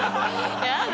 やだ。